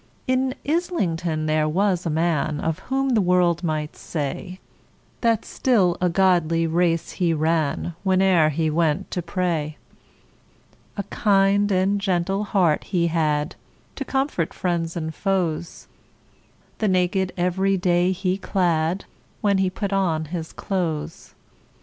In Islington there was a man, Of whom the world might say, That still a godly race he ran, Whene'er he went to pray. A kind and gentle heart he had, To comfort friends and foes; The naked every day he clad, When he put on his clothes.